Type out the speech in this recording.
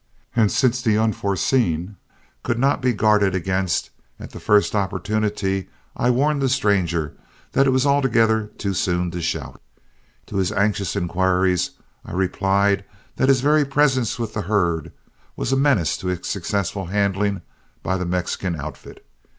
And since the unforeseen could not be guarded against, at the first opportunity I warned the stranger that it was altogether too soon to shout. To his anxious inquiries I replied that his very presence with the herd was a menace to its successful handling by the Mexican outfit.